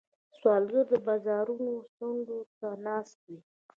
سوالګر د بازارونو څنډو ته ناست وي